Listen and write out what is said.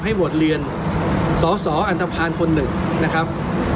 บทเรียนสอสออันตภัณฑ์คนหนึ่งนะครับ